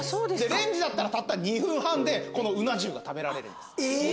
レンジだったらたった２分半でこのうな重が食べられるんです。